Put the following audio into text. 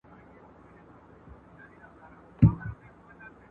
د سياسي فشار مخه يې نيوله.